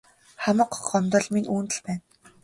Хамаг гомдол минь үүнд л байна.